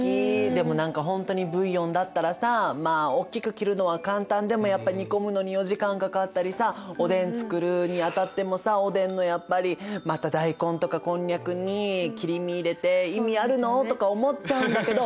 でも何か本当にブイヨンだったらさまあおっきく切るのは簡単でもやっぱ煮込むのに４時間かかったりさおでん作るにあたってもさおでんのやっぱりまた大根とかこんにゃくに切りみ入れて意味あるのとか思っちゃうんだけど。